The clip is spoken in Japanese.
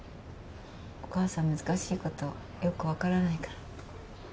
お母さん難しいことよく分からないから。